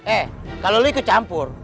eh kalau lo ikut campur